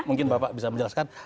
mungkin bapak bisa menjelaskan